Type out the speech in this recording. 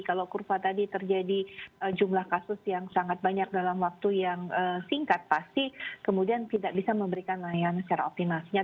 kalau kurva tadi terjadi jumlah kasus yang sangat banyak dalam waktu yang singkat pasti kemudian tidak bisa memberikan layanan secara optimasinya